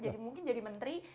jadi mungkin jadi menteri